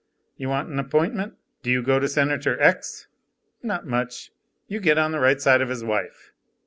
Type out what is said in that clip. You want an appointment? Do you go to Senator X? Not much. You get on the right side of his wife.